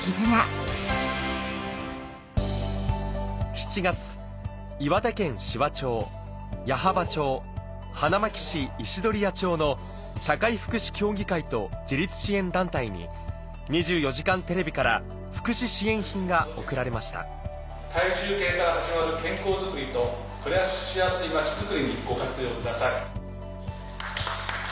７月岩手県紫波町矢巾町花巻市石鳥谷町の社会福祉協議会と自立支援団体に『２４時間テレビ』から福祉支援品が贈られました体重計から始まる健康づくりと暮らしやすい町づくりにご活用ください。